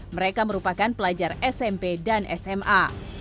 mereka merupakan pelajar smp dan sma